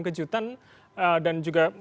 kejutan dan juga